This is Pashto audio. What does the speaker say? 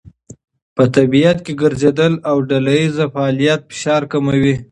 په طبیعت کې ګرځېدل او ډلهییز فعالیت فشار کموي.